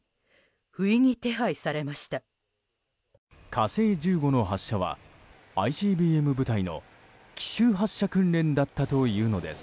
「火星１５」の発射はＩＣＢＭ部隊の奇襲発射訓練だったというのです。